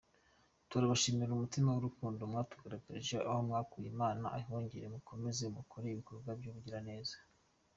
Turabashimira umutima w’urukundo mwatugaragarije, aho mwakuye Imana ihongere mukomeze mukore ibikorwa by’ubugiraneza.